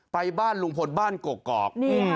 ไปบ้านลุงพลบ้านกกอก